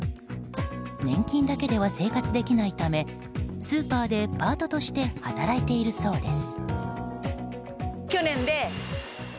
年金だけでは生活できないためスーパーでパートとして働いているそうです。